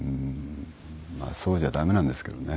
まあそうじゃダメなんですけどね。